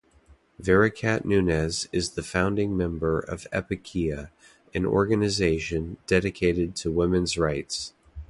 Vericat Nunez is the founding member of Epikeia, an organization dedicated to women's rights.